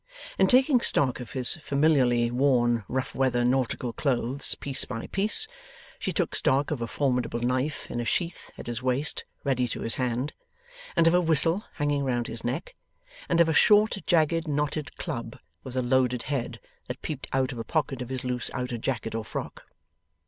In taking stock of his familiarly worn rough weather nautical clothes, piece by piece, she took stock of a formidable knife in a sheath at his waist ready to his hand, and of a whistle hanging round his neck, and of a short jagged knotted club with a loaded head that peeped out of a pocket of his loose outer jacket or frock.